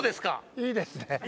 いいですね。